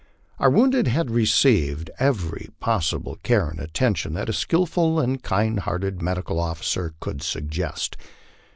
Our wounded had received every possible care and attention that a skilful and kind hearted medical oflicer could suggest.